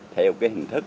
theo cái hình thức